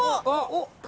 あっ！